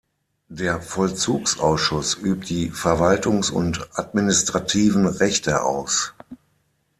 Der Vollzugsausschuss übt die Verwaltungs- und administrativen Rechte aus.